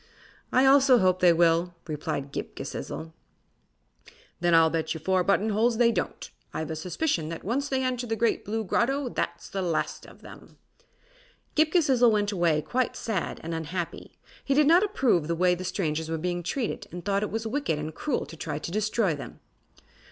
"I also hope they will," replied Ghip Ghisizzle. "Then I'll bet you four button holes they don't. I've a suspicion that once they enter the Great Blue Grotto that's the last of them." Ghip Ghisizzle went away quite sad and unhappy. He did not approve the way the strangers were being treated and thought it was wicked and cruel to try to destroy them.